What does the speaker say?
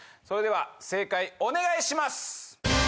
それでは正解お願いします。